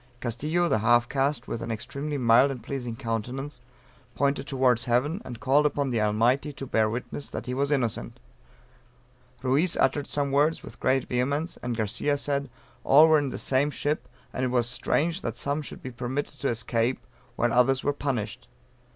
Castillo (a half caste, with an extremely mild and pleasing countenance,) pointed towards heaven, and called upon the Almighty to bear witness that he was innocent; Ruiz uttered some words with great vehemence; and Garcia said "all were in the same ship; and it was strange that some should be permitted to escape while others were punished."